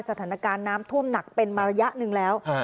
สถานการณ์น้ำท่วมหนักเป็นมาระยะหนึ่งแล้ว